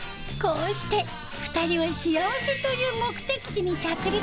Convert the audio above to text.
こうして２人は幸せという目的地に着陸したそうです。